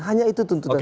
hanya itu tuntutan